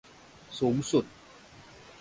สูงสุด